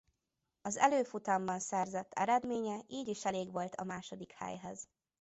Az előfutamban szerzett eredménye így is elég volt a második helyhez.